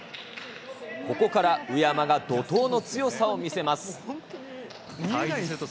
ここから宇山が怒とうの強さを見せます。